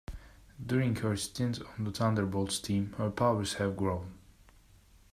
During her stint on the Thunderbolts team, her powers have grown.